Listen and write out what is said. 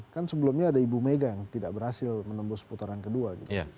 kan sebelumnya ada ibu megang tidak berhasil menembus putaran kedua gitu